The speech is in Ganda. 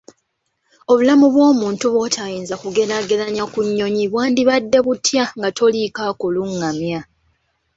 Obulamu bw'omuntu bw'otayinza kugeraageranya ku nnyonyi bwandibadde butya nga toliiko akulungamya?